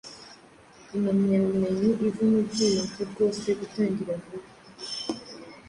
Impamyabumenyi iva mubyiyumvo Rwose gutangira vuba,